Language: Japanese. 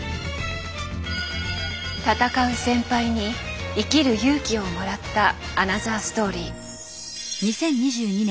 闘う先輩に生きる勇気をもらったアナザーストーリー。